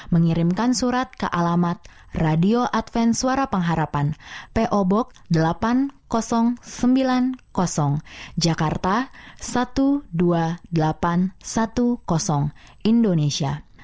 mengirimkan surat ke alamat radio adventsuara pengharapan po box delapan ribu sembilan puluh jakarta dua belas ribu delapan ratus sepuluh indonesia